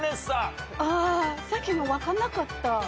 さっきの分かんなかった。